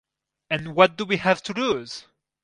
And what do we have to lose?